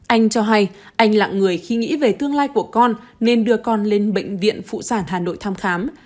anh cho hay anh lạng người khi nghĩ về tương lai của con nên đưa con lên bệnh viện phụ sản hà nội thăm khám